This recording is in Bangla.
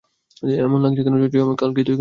এমন লাগছে যেমন কালকেই তো আসলাম।